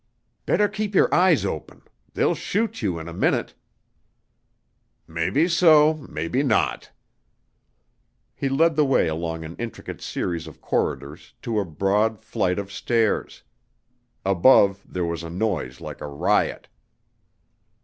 "Better keep your eyes open. They'll shoot you in a minute." "Mebbe so, mebbe not." He led the way along an intricate series of corridors to a broad flight of stairs. Above there was a noise like a riot.